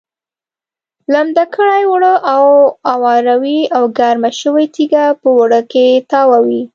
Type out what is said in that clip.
لمده کړې اوړه اواروي او ګرمه شوې تیږه په اوړو کې تاووي.